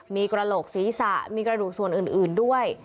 มีกระโหลกศีรษะมีกระดูกส่วนอื่นด้วย